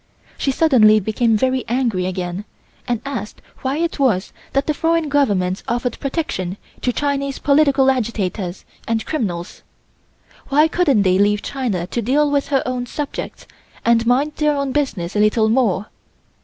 She suddenly became very angry again and asked why it was that the foreign governments offered protection to Chinese political agitators and criminals. Why couldn't they leave China to deal with her own subjects and mind their own business a little more?